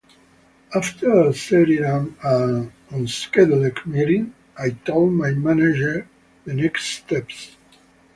After setting up an unscheduled meeting, I told my manager the next steps.